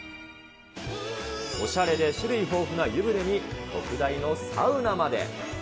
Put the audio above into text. おしゃれで種類豊富な湯船に特大のサウナまで。